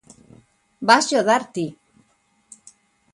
Vasllo dar ti.